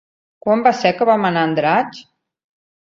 Quan va ser que vam anar a Andratx?